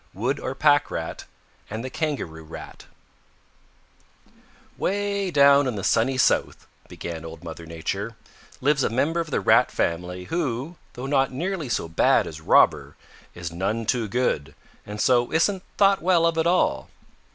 CHAPTER XIV A Trader and a Handsome Fellow "Way down in the Sunny South," began Old Mother Nature, "lives a member of the Rat family who, though not nearly so bad as Robber, is none too good and so isn't thought well of at all.